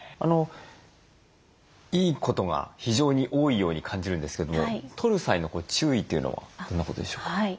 いいことが非常に多いように感じるんですけどもとる際の注意というのはどんなことでしょうか？